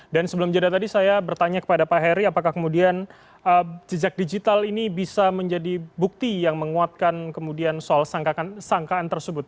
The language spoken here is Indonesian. dan sebelum jeda tadi saya bertanya kepada pak heri apakah kemudian jejak digital ini bisa menjadi bukti yang menguatkan kemudian soal sangkaan tersebut